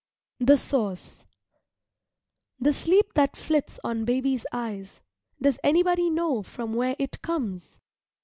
THE SOURCE The sleep that flits on baby's eyes does anybody know from where it comes?